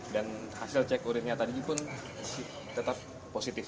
dan hasil cek urinnya tadi pun tetap positif